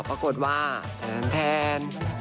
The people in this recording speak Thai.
สมมุติว่าแทนท์